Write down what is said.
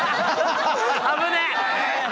危ねえ！